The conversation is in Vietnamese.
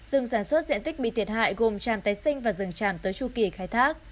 rừng sản xuất diện tích bị thiệt hại gồm tràm tái sinh và rừng tràm tới chu kỳ khai thác